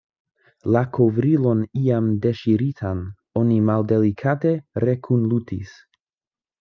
La kovrilon iam deŝiritan oni maldelikate rekunlutis.